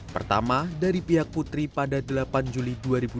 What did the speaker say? pertama dari pihak putri pada delapan juli dua ribu dua puluh